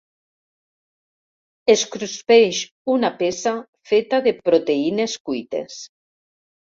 Es cruspeix una peça feta de proteïnes cuites.